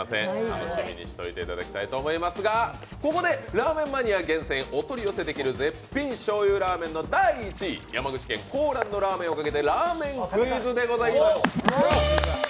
楽しみにしておいていただきたいと思いますが、ここでラーメンマニア厳選お取り寄せできる絶品しょうゆラーメンの第１位、山口県・紅蘭のラーメンをかけてラーメンクイズでございます。